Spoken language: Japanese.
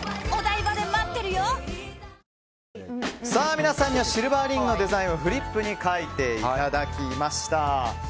皆さんにはシルバーリングのデザインをフリップに描いていただきました。